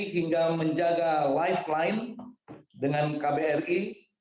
hingga menjaga lifeline dengan kbri